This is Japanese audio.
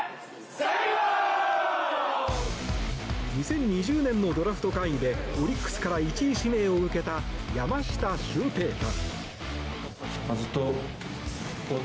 ２０２０年のドラフト会議でオリックスから１位指名を受けた山下舜平大。